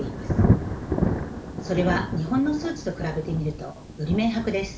それは日本の数値と比べてみるとより明白です。